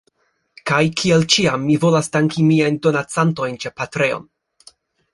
Kaj, kiel ĉiam, mi volas danki miajn donacantojn ĉe Patreon